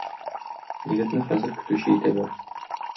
Егетне хәзер көтүче итәләр.